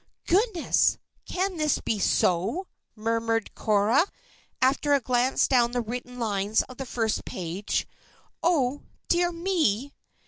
"Goodness! Can this be so?" murmured Cora, after a glance down the written lines on the first page. "Oh! Dear me!"